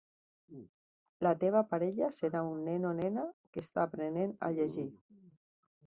La teva parella serà un nen o nena que està aprenent a llegir.